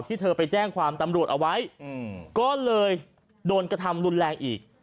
เธอไปแจ้งความตำรวจเอาไว้ก็เลยโดนกระทำรุนแรงอีก